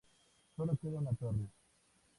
Sólo queda una torre.